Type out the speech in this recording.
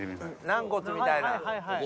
軟骨みたいな。